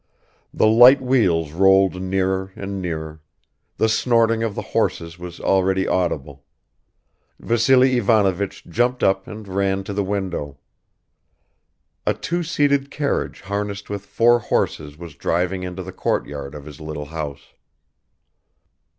The light wheels rolled nearer and nearer; the snorting of the horses was already audible. ... Vassily Ivanovich jumped up and ran to the window. A two seated carriage harnessed with four horses was driving into the courtyard of his little house.